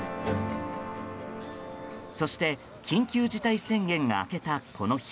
そして、緊急事態宣言が明けたこの日。